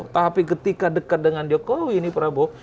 tapi ketika dekat dengan jokowi ini prabowo